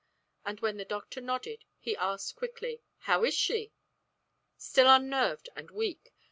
And when the doctor nodded he asked quickly, "How is she?" "Still unnerved and weak.